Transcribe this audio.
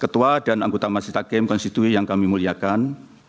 ketua dan anggota majelis hakim konstitusi yang kami muliakan